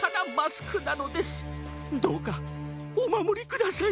どうかおまもりください！